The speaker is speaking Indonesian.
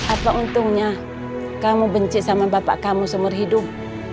apa untungnya kamu benci sama bapak kamu seumur hidup